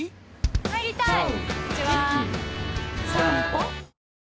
入りたい。